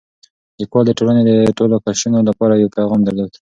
لیکوال د ټولنې د ټولو قشرونو لپاره یو پیغام درلود.